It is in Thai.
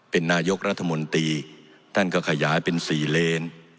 เป็นนายกรัฐมนตรีท่านก็ขยายเป็น๔เลน